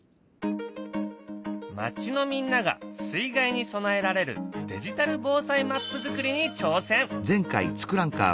町のみんなが水害に備えられるデジタル防災マップ作りに挑戦！